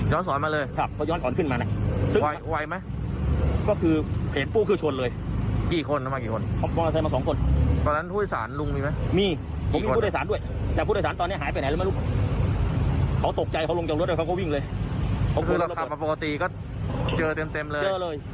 โห้พวกเขาพึ่งใสเลย